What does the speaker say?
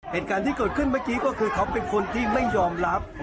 เหตุการณ์ที่เกิดขึ้นเมื่อกี้ก็คือเขาเป็นคนที่ไม่ยอมรับ